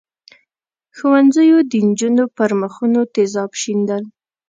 ښوونځیو د نجونو پر مخونو تېزاب شیندل.